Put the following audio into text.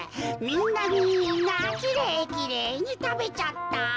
みんなきれいきれいにたべちゃった。